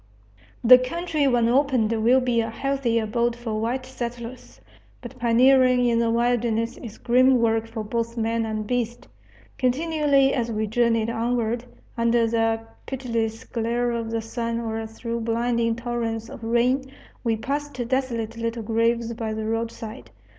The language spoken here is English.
The country when opened will be a healthy abode for white settlers. But pioneering in the wilderness is grim work for both man and beast. Continually, as we journeyed onward, under the pitiless glare of the sun or through blinding torrents of rain, we passed desolate little graves by the roadside.